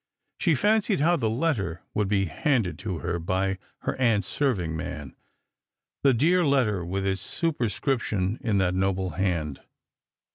She fancied how the letter would be handed to her by her aunt's serving man ; the dear letter with its superscription in that noble hand.